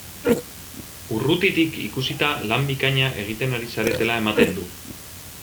Urrutitik ikusita, lan bikaina egiten ari zaretela ematen du!